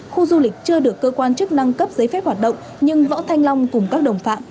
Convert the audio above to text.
khu du lịch chưa được cơ quan chức năng cấp giấy phép hoạt động nhưng võ thanh long cùng các đồng phạm